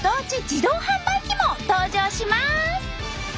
自動販売機も登場します！